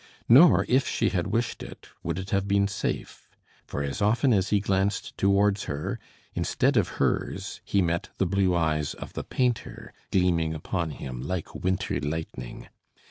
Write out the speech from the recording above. Nor if she had wished it, would it have been safe; for as often as he glanced towards her, instead of hers, he met the blue eyes of the painter gleaming upon him like winter lightning.